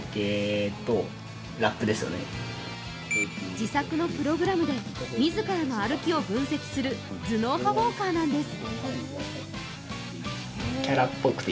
自作のプログラムで自らの歩きを分析する頭脳派ウォーカーなんです。